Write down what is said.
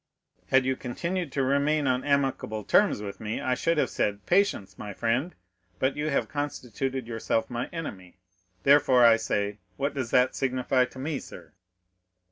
"Had you continued to remain on amicable terms with me, I should have said, 'Patience, my friend;' but you have constituted yourself my enemy, therefore I say, 'What does that signify to me, sir?